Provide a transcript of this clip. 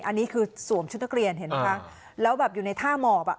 อันนี้คือสวมชุดนักเรียนเห็นไหมคะแล้วแบบอยู่ในท่าหมอบอ่ะ